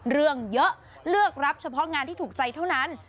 เรื่องเยอะเลือกรับเฉพาะงานที่ถูกใจเท่านั้น